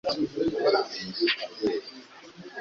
Ntabwo nzarenza amasaha abiri cyangwa atatu